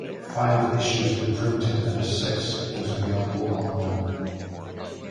Five issues were printed, and a sixth was available online.